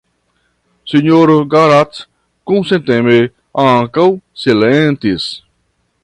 Sinjoro Garrat kunsenteme ankaŭ silentis.